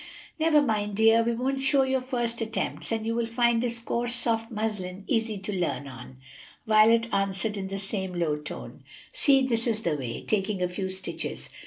"Never mind, dear, we won't show your first attempts, and you will find this coarse, soft muslin easy to learn on," Violet answered in the same low tone. "See, this is the way," taking a few stitches.